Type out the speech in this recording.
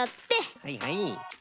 はいはい。